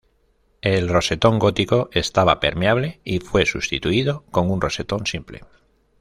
El rosetón gótico estaba permeable y fue sustituido con un rosetón simple.